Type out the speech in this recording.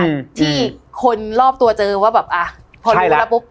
ที่คนรอบตัวเจอว่าแบบอ่ะพอรู้แล้วปุ๊บใช่แล้ว